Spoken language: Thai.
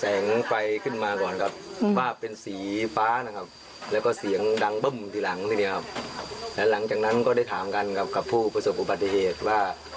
เอาฟังเสียงหน่อยค่ะ